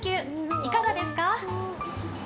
いかがですか？